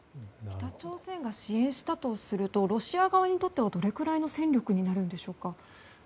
北朝鮮が支援したとするとロシア側にとってはどれくらいの戦力になるのでしょうか。